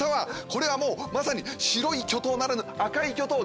これはもうまさに白い巨塔ならぬ赤い巨塔！